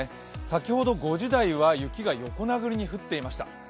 先ほど５時台は、雪が横殴りに降っていました。